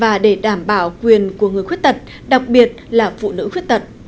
và để đảm bảo quyền của người khuyết tật đặc biệt là phụ nữ khuyết tật